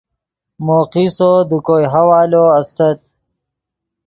مو قصو دے کوئے حوالو استت